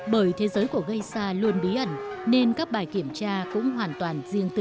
bởi thế giới của gây xa luôn bí ẩn nên các bài kiểm tra cũng hoàn toàn riêng tư